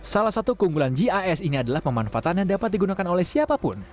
salah satu keunggulan gis ini adalah pemanfaatan yang dapat digunakan oleh siapapun